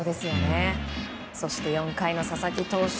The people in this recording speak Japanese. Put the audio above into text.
そして４回の佐々木投手